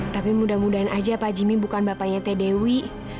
tapi mudah mudahan aja pak jimmy bukan bapaknya tadewi